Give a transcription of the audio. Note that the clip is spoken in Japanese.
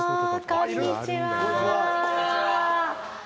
こんにちは。